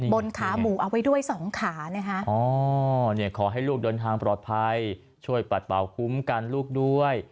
บนขาหมูเอาไว้ด้วยสองขานะคะขอให้ลูกเดินทางปลอดภัยช่วยปัดเป่าคุ้มกันลูกด้วย